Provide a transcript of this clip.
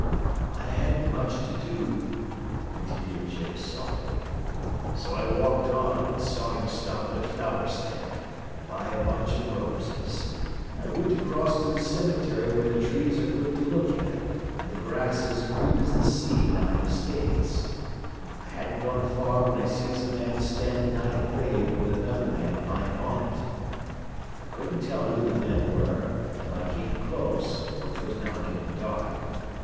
"I hadn't much to do," continued Chips, softly, "so I walked on an' saw him stop at a flower stand an' buy a bunch av roses. I wint across to th' cemetery where th' trees are good to look at an' th' grass is green as th' sea nigh th' States. I hadn't gone far whin I sees a man standin' nigh a grave wid another man lyin' on it. I couldn't tell who th' men ware till I came close, fer 'twas now gettin' dark.